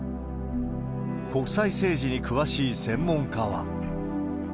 国際政治に詳しい専門家は。